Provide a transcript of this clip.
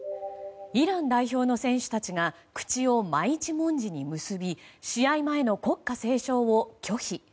イラン代表の選手たちが口を真一文字に結び試合前の国歌斉唱を拒否。